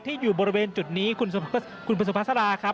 ที่อยู่บริเวณจุดนี้คุณประสบภาษาครับ